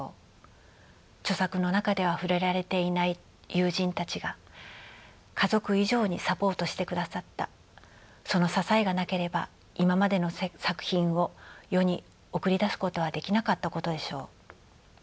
著作の中では触れられていない友人たちが家族以上にサポートしてくださったその支えがなければ今までの作品を世に送り出すことはできなかったことでしょう。